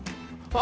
あ！